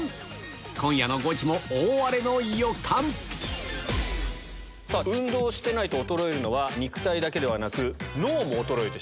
今夜のゴチも大荒れの予感さぁ運動してないと衰えるのは肉体だけではなく。